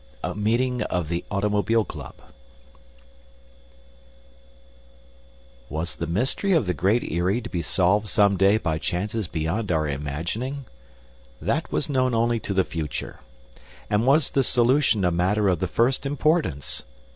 A MEETING OF THE AUTOMOBILE CLUB Was the mystery of the Great Eyrie to be solved some day by chances beyond our imagining? That was known only to the future. And was the solution a matter of the first importance?